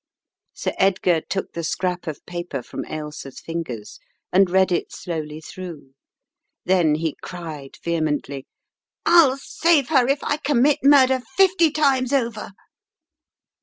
Sir Edgar took the scrap of paper from Ailsa's fin gers, and read it slowly through. Then he cried vehemently: "I'll save her, if I commit murder fifty times over."